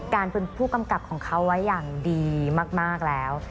การเป็นผู้กำกับของเขาไว้อย่างดีมากแล้ว